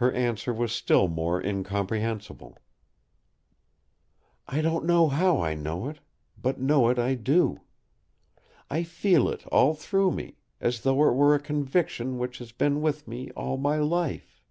Her answer was still more incomprehensible: "I don't know how I know it; but know it I do. I feel it all through me; as though it were a conviction which has been with me all my life!"